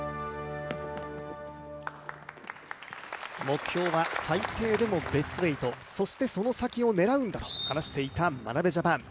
目標は最低でもベスト８そしてその先を狙うんだと話していた眞鍋ジャパン。